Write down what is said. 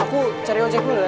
aku cari ojek dulu